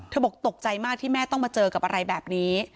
บอกตกใจมากที่แม่ต้องมาเจอกับอะไรแบบนี้